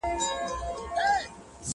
د کراري مو شېبې نه دي لیدلي؛